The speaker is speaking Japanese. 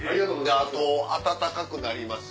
あと温かくなります。